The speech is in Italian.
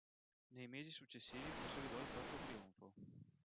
Nei mesi successivi consolidò il proprio trionfo.